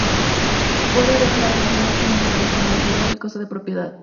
Puede haber una relación máxima entre la disponibilidad y el costo de propiedad.